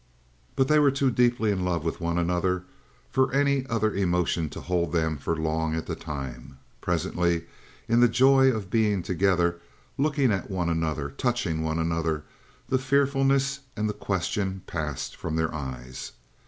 But they were too deeply in love with one another for any other emotion to hold them for long at a time. Presently in the joy of being together, looking at one another, touching one another, the fearfulness and the question passed from their eyes.